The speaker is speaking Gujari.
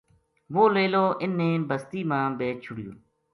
وہ لیلو اِن نے بستی ما بیچ چھڑیو